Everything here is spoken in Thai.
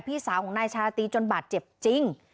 พี่สาวของนายชาราตรีจนบาดเจ็บจริง